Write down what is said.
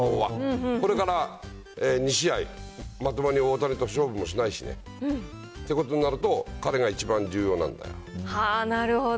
これから２試合、まともに大谷と勝負もしないしね、ってことになると、彼が一番重なるほど。